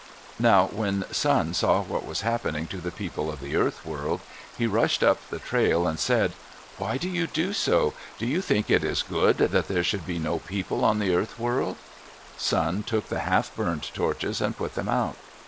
Now when Sun saw what was happening to the people of the Earth World, he rushed up the trail, and said, "Why do you do so? Do you think it is good that there should be no people on the Earth World?" Sun took the half burned torches and put them out.